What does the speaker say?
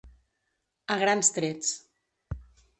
A grans trets.